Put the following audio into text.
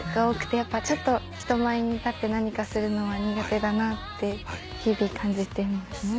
やっぱちょっと人前に立って何かするのは苦手だなって日々感じてます。